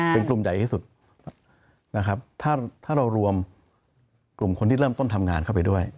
เป็นกลุ่มใหญ่ที่สุดนะครับถ้าเรารวมกลุ่มคนที่เริ่มต้นทำงานเข้าไปด้วย